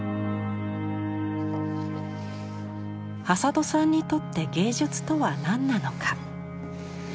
挾土さんにとって芸術とは何なのか？